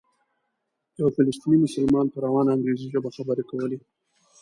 یو فلسطینی مسلمان په روانه انګریزي ژبه خبرې کولې.